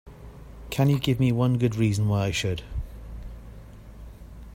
Can you give me one good reason why I should?